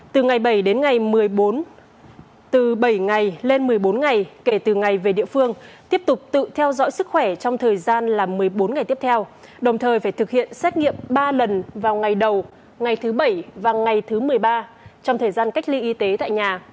từ ngày bảy đến ngày một mươi bốn từ bảy ngày lên một mươi bốn ngày kể từ ngày về địa phương tiếp tục tự theo dõi sức khỏe trong thời gian là một mươi bốn ngày tiếp theo đồng thời phải thực hiện xét nghiệm ba lần vào ngày đầu ngày thứ bảy và ngày thứ một mươi ba trong thời gian cách ly y tế tại nhà